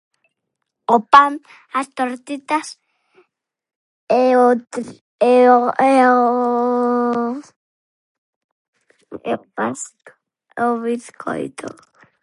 O pan, as toritas e o tri- e o e o e a pasta, o biscoito.